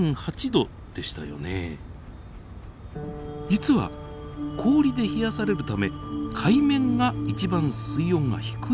実は氷で冷やされるため海面が一番水温が低いんだそうです。